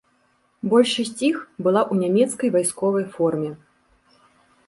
Большасць іх была ў нямецкай вайсковай форме.